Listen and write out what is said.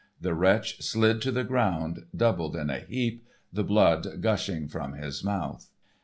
The wretch slid to the ground doubled in a heap, the blood gushing from his mouth.